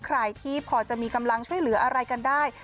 ใครที่พอจะมีกำลังช่วยเหลืออะไรกันได้